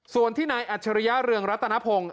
ส่วนที่ในอัจฉริยเรืองรัตนภง